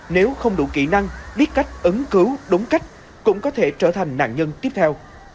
nếu không đủ kỹ năng biết cách ứng cứu đúng cách cũng có thể trở thành nạn nhân tiếp theo